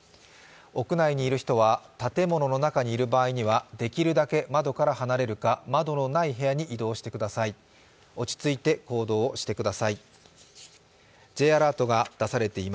屋内にいる人は建物の中にいる場合は、できるだけ窓から離れるか、窓のない部屋に移動してください。